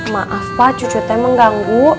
maaf pak cucu t mengganggu